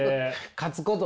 勝つこと